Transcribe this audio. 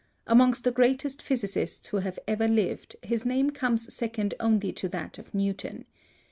Amongst the greatest physicists who have ever lived, his name comes second only to that of Newton.